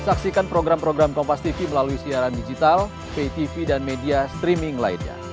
saksikan program program kompastv melalui siaran digital pitv dan media streaming lainnya